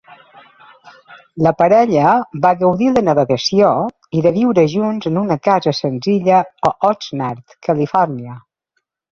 La parella va gaudir la navegació i de viure junts en una casa senzilla a Oxnard, Califòrnia.